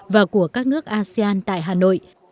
và của các nước asean tại hà nội